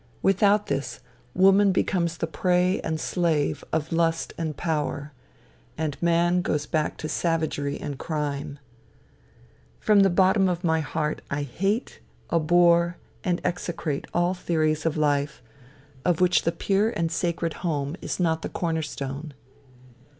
Without this, woman becomes the prey and slave of lust and power, and man goes back to savagery and crime. From the bottom of my heart I hate, abhor and execrate all theories of life, of which the pure and sacred home is not the corner stone.